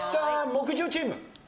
木１０チーム。